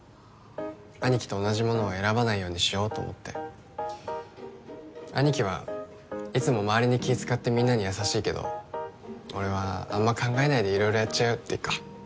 兄貴と同じものを選ばないようにしようと思って兄貴はいつも周りに気使ってみんなに優しいけど俺はあんま考えないで色々やっちゃうっていうか